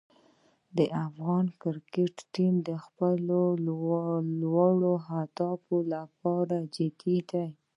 د افغان کرکټ ټیم د خپلو لوړو هدفونو لپاره جدي دی.